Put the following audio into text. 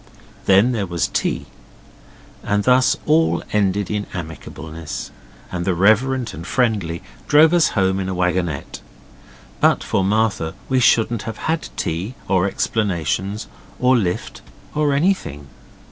Then there was tea, and thus all ended in amicableness, and the reverend and friendly drove us home in a wagonette. But for Martha we shouldn't have had tea, or explanations, or lift or anything.